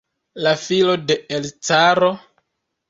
La filo de l' caro?